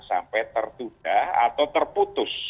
sampai tertudah atau terputus